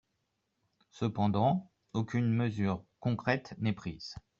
Cependant, aucune mesure concrète n’est prise.